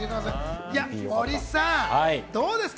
森さん、どうですか？